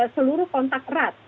seluruh kontak erat